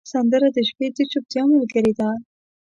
سندره د شپې د چوپتیا ملګرې ده